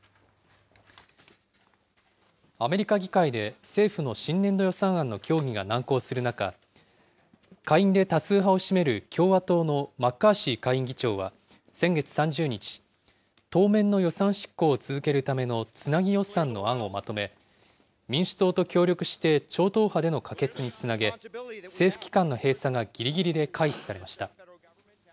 アメリカ議会で政府の新年度予算案の協議が難航する中、下院で多数派を占める共和党のマッカーシー下院議長は先月３０日、当面の予算執行を続けるためのつなぎ予算の案をまとめ、民主党と協力して超党派での可決につなげ、政府機関の閉鎖がぎりぎりで回避されました。